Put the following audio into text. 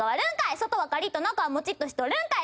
外はカリッと中はモチッとしとるんかい！